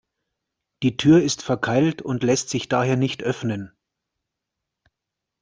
Die Tür ist verkeilt und lässt sich daher nicht öffnen.